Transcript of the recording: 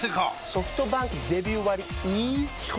ソフトバンクデビュー割イズ基本